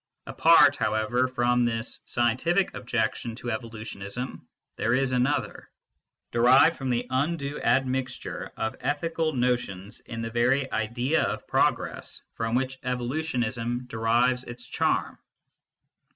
Apart, how ever, from this scientific objection to evolutionism, there is another, derived from the undue admixture of ethical notions in the very idea of progress from which evolutionism derives its charm.